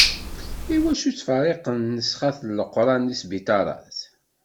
Iwacu ttferriqen nnesxat n Leqran deg sbiṭarat?